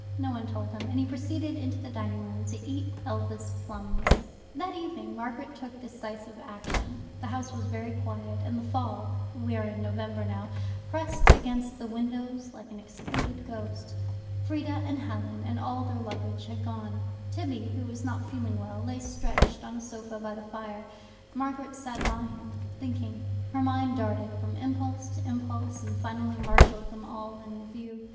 No one told him, and he proceeded into the dining room, to eat Elvas plums. That evening Margaret took decisive action. The house was very quiet, and the fog we are in November now pressed against the windows like an excluded ghost. Frieda and Helen and all their luggage had gone. Tibby, who was not feeling well, lay stretched on a sofa by the fire. Margaret sat by him, thinking. Her mind darted from impulse to impulse, and finally marshalled them all in review.